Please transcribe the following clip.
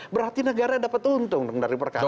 berarti negara dapat untung dari perkara ini